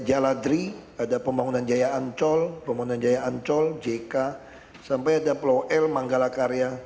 jaladri ada pembangunan jaya ancol pembangunan jaya ancol jk sampai ada pulau l manggala karya